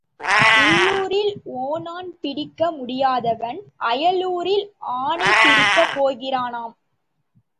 உள்ளூரில் ஓணான் பிடிக்க முடியாதவன் அயலூரில் ஆனை பிடிக்கப் போகிறானாம்.